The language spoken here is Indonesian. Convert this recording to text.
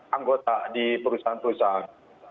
anggota di perusahaan perusahaan